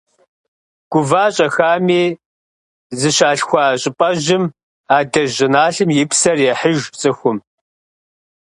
Гува-щӏэхами, зыщалъхуа щӏыпӏэжьым, адэжь щӏыналъэм и псэр ехьыж цӏыхум.